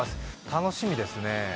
楽しみですね